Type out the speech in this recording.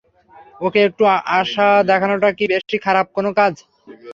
ওকে একটু আশা দেখানোটা কি বেশি খারাপ কোনো কাজ?